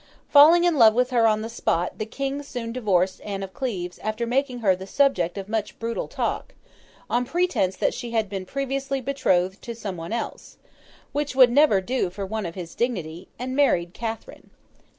Falling in love with her on the spot, the King soon divorced Anne of Cleves after making her the subject of much brutal talk, on pretence that she had been previously betrothed to some one else—which would never do for one of his dignity—and married Catherine.